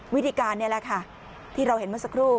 วิธีการนี่แหละค่ะที่เราเห็นเมื่อสักครู่